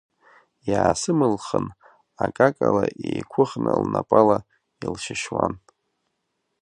Иаасымылхын, акакала еиқәыхны лнапала илшьышьуан.